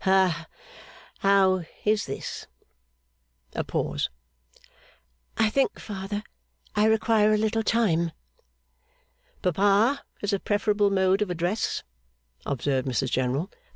Ha how is this?' A pause. 'I think, father, I require a little time.' 'Papa is a preferable mode of address,' observed Mrs General.